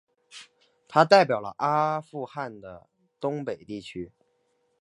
他代表了阿富汗的东北地区。